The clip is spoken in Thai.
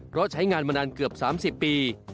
เพราะใช้งานมานานเกือบ๓๐ปี